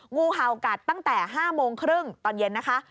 งูเห่ากัดตั้งแต่๕โมงครึ่งตอนเย็นนะคะ